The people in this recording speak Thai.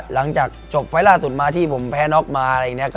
หลังจากจบไฟลตราตุลมาที่ผมแพ้น๊อกมา